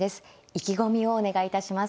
意気込みをお願いいたします。